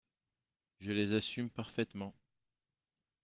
Je les assume parfaitement.